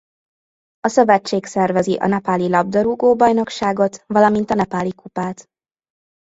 A szövetség szervezi a Nepáli labdarúgó-bajnokságot valamint a Nepáli kupát.